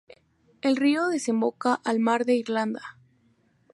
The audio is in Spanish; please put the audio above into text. El río desemboca al Mar de Irlanda.